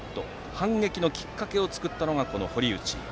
反撃のきっかけを作ったのが堀内。